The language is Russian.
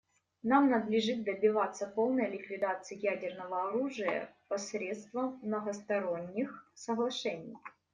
Нам надлежит добиваться полной ликвидации ядерного оружия посредством многосторонних соглашений.